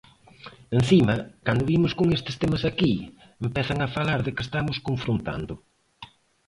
Encima, cando vimos con estes temas aquí, empezan a falar de que estamos confrontando.